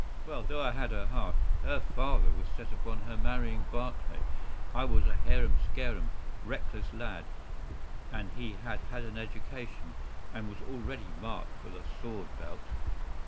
"Well, though I had her heart, her father was set upon her marrying Barclay. I was a harum scarum, reckless lad, and he had had an education, and was already marked for the sword belt.